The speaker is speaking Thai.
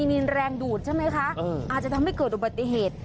มีแรงดูดใช่ไหมคะอาจจะทำให้เกิดอุบัติเหตุ